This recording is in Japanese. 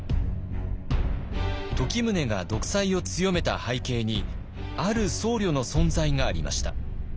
時宗が独裁を強めた背景にある僧侶の存在がありました。